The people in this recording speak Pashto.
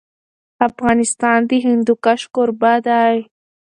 افغانستان د هندوکش کوربه دی.